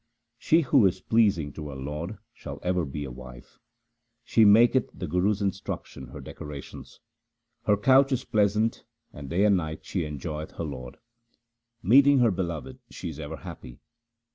She who is pleasing to her Lord shall ever be a happy wife : She maketh the Guru's instruction her decorations ; Her couch is pleasant and day and night she enjoyeth her Lord ; Meeting her Beloved she is ever happy.